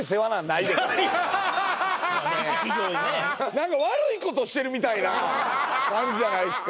何か悪いことしてるみたいな感じやないすか